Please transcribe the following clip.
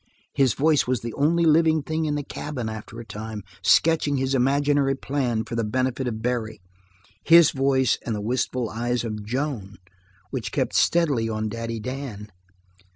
His voice was the only living thing in the cabin, after a time, sketching his imaginary plans for the benefit of Barry his voice and the wistful eyes of Joan which kept steadily on Daddy Dan.